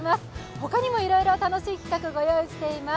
他にもいろいろ楽しい企画ご用意しています。